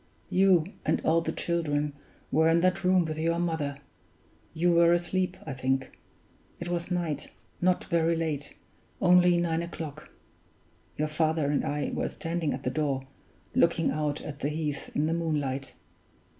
You and all the children were in that room with your mother; you were asleep, I think; it was night, not very late only nine o'clock. Your father and I were standing at the door, looking out at the heath in the moonlight.